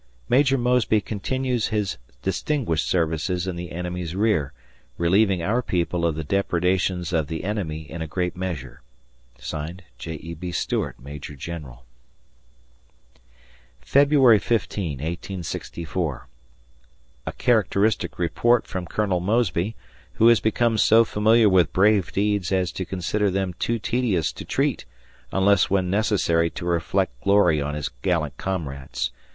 Major Mosby continues his distinguished services in the enemies rear, relieving our people of the depredations of the enemy in a great measure. J. E. B. Stuart, Major General. February 15, 1864. A characteristic report from Colonel Mosby, who has become so familiar with brave deeds as to consider them too tedious to treat unless when necessary to reflect glory on his gallant comrades.